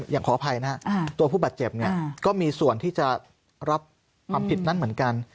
อย่างขออภัยนะตัวผู้บาดเจ็บก็มีส่วนที่จะรับความผิดนั้นเหมือนกัน